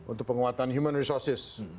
untuk penguatan human resources